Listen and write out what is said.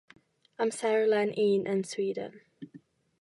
Amserlen Un yn Sweden.